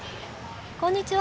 こんにちは。